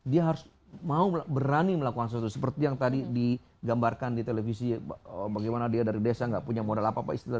dia harus mau berani melakukan sesuatu seperti yang tadi digambarkan di televisi bagaimana dia dari desa nggak punya modal apa apa istilahnya